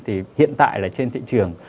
thì hiện tại là trên thị trường